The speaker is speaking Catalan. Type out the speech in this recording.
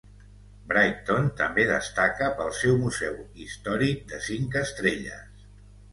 Brighton també destaca pel seu museu històric de cinc estrelles.